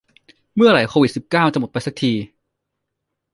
เมื่อไหร่โควิดสิบเก้าจะหมดไปสักที